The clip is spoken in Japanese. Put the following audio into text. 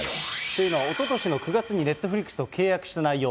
というのは、おととしの９月にネットフリックスと契約した内容。